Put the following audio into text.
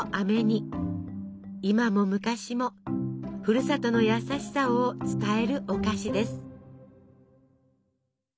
今も昔もふるさとの優しさを伝えるお菓子です。